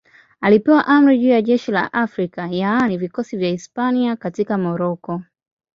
Alipewa amri juu ya jeshi la Afrika, yaani vikosi vya Hispania katika Moroko.